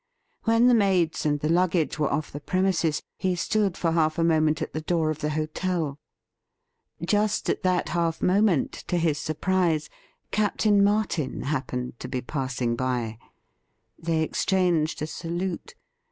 When the maids and the luggage were off the premises, he stood for half a moment at the door of the hotel. Just at that half moment, to his surprise. Captain Martin happened to be passing by. They exchanged a salute.